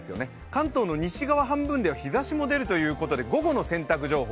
関東の西側半分では日ざしも出るということで午後の洗濯情報